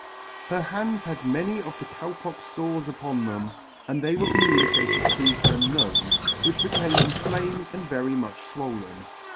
Her hands had many of the Cow pox fores upon them, and they were communicated to her nofe, which became inflamed and very much fwoln.